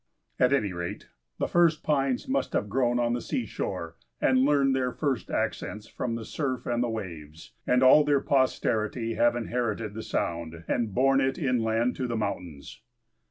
At any rate, the first pines must have grown on the seashore, and learned their first accents from the surf and the waves; and all their posterity have inherited the sound, and borne it inland to the mountains.